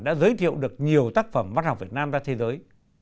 đã giới thiệu được nhiều tác phẩm văn học việt nam ra thế giới